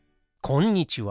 こんにちは。